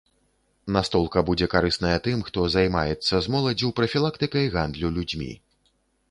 Настолка будзе карысная тым, хто займаецца з моладдзю прафілактыкай гандлю людзьмі.